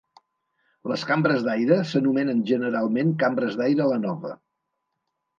Les cambres d'aire s'anomenen generalment cambres d'aire Lanova.